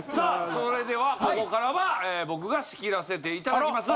それではここからは僕が仕切らせて頂きます。